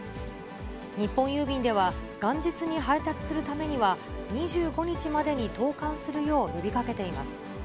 日本郵便では、元日に配達するためには、２５日までに投かんするよう呼びかけています。